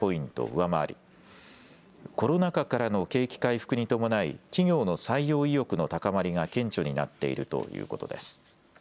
上回りコロナ禍からの景気回復に伴い企業の採用意欲の高まりが顕著になっているということです。